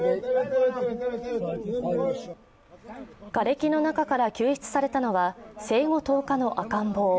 がれきのなかから救出されたのは生後１０日の赤ん坊。